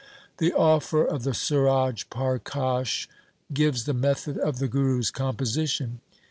The author of the Suraj Parkash gives the method of the Guru's composition.